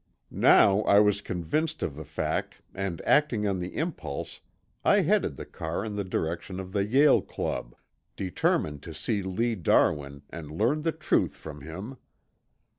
Now I was convinced of the fact and acting on the impulse I headed the car in the direction of the Yale Club, determined to see Lee Darwin and learn the truth from him.